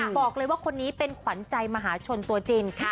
บอกเลยว่าคนนี้เป็นขวัญใจมหาชนตัวจริง